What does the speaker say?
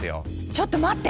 ちょっと待って！